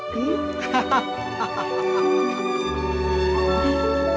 ハハハハハ。